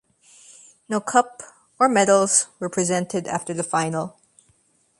No cup or medals were presented after the final.